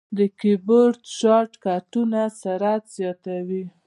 د کیبورډ شارټ کټونه سرعت زیاتوي.